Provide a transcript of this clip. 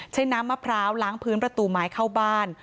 น้ำมะพร้าวล้างพื้นประตูไม้เข้าบ้าน